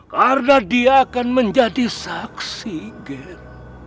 karena dia akan menjadi saksi gher